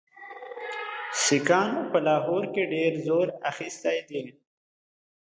سیکهانو په لاهور کې ډېر زور اخیستی دی.